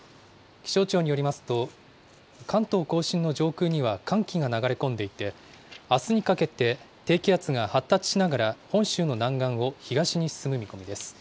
気象庁によりますと、関東甲信の上空には寒気が流れ込んでいて、あすにかけて低気圧が発達しながら本州の南岸を東に進む見込みです。